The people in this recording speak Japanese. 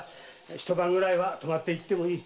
一晩ぐらいは泊まっていってもいい。